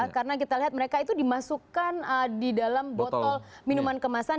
karena kita lihat mereka itu dimasukkan di dalam botol minuman kemasan